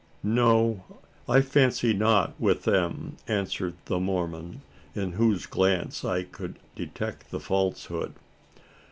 "No? I fancy not with them," answered the Mormon, in whose glance I could detect the falsehood.